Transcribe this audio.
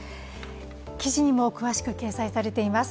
記事にも詳しく掲載されています。